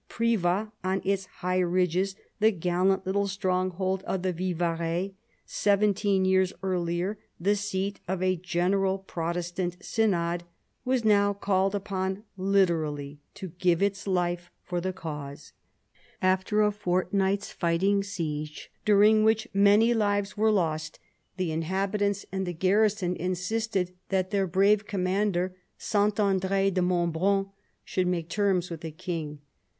Privas on its high ridge, the gallant little stronghold of the Vivarais, seventeen years earlier the seat of a general Protestant Synod, was now called upon hterally to give its life for the cause. After a fortnight's fighting siege, during which THE CARDINAL I99 many lives were lost, the inhabitants and the garrison insisted that their brave commander, St. Andre de Montbrun, should make terms with the King.